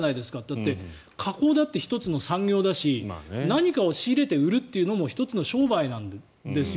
だって加工だって１つの産業だし何かを仕入れて売るというのも１つの商売なんですよ。